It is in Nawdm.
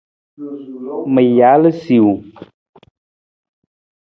Ma jaal suwang.